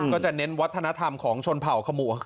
จะเน้นวัฒนธรรมของชนเผ่าขมัว